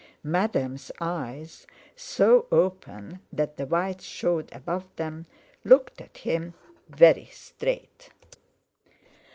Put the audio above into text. Madame's eyes, so open that the whites showed above them, looked at him very straight.